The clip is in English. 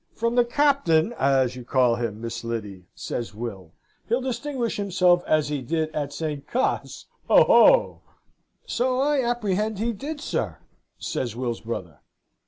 "'From the Captain, as you call him, Miss Lyddy,' says Will. 'He'll distinguish himself as he did at Saint Cas! Ho, ho!' "'So I apprehend he did, sir,' says Will's brother.